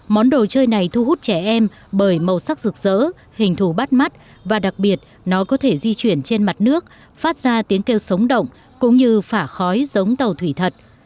món đồ chơi này thu hút trẻ em bởi màu sắc rực rỡ hình thủ bắt mắt và đặc biệt nó có thể di chuyển trên mặt nước phát ra tiếng kêu sống động cũng như phả khói giống tàu thủy thật